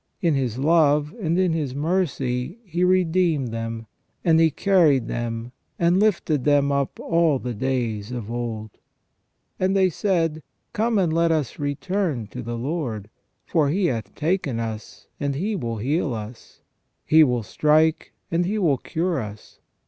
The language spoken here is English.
In His love and in His mercy He redeemed them, and He carried them, and lifted them up all the days of old." * And they said :" Come, and let us return to the Lord ; for * Isaias, c. Ixiii. 3S6 THE REGENERATION OF MAN. He hath taken us, and He will heal us. He will strike, and He will cure us.